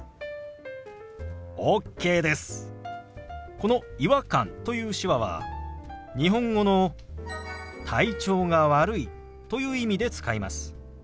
この「違和感」という手話は日本語の「体調が悪い」という意味で使います。